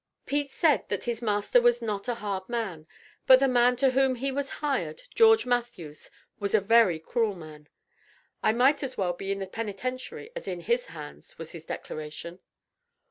Pete said that his "master was not a hard man," but the man to whom he "was hired, George Matthews, was a very cruel man." "I might as well be in the penitentiary as in his hands," was his declaration.